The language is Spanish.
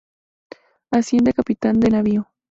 Asciende a capitán de navío.